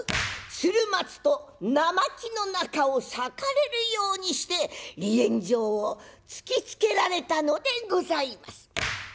鶴松と生木の仲を裂かれるようにして離縁状を突きつけられたのでございます。